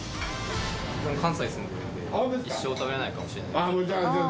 関西に住んでるんで、一生食べられないかもしれない。